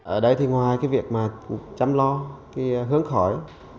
ở đây thì ngoài cái việc mà chăm lo cái hướng khói